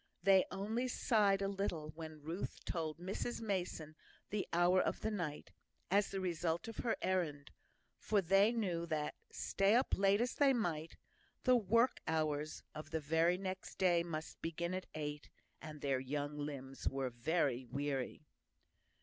They only sighed a little when Ruth told Mrs Mason the hour of the night, as the result of her errand; for they knew that, stay up as late as they might, the work hours of the next day must begin at eight, and their young limbs were very weary.